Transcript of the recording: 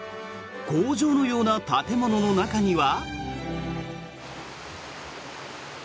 工場のような建物の中には。